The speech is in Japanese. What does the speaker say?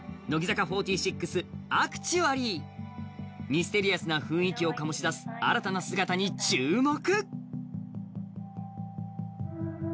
ミステリアスな雰囲気を醸し出す新たな姿に注目。